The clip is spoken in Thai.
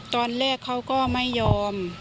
ตอนแรกเขาก็ไม่ยอม